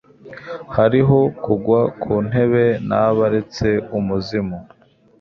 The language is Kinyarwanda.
hariho kugwa kuntebe na baretse umuzimu